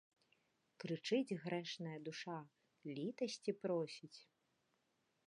Крычыць грэшная душа, літасці просіць.